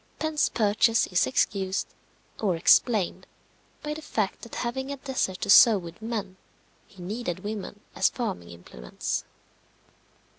Penn's purchase is excused, or explained, by the fact that having a desert to sow with men, he needed women as farming implements.